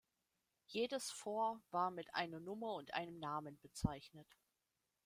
Jedes Fort war mit einer Nummer und einem Namen bezeichnet.